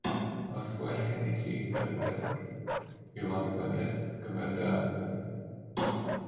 Os gwell gennyt ti, yr Undebwr, yw annibyniaeth, cymer dy annibyniaeth.